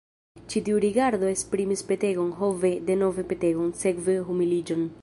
Ĉi tiu rigardo esprimis petegon, ho ve, denove petegon, sekve humiliĝon!